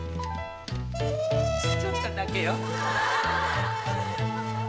ちょっとだけよ。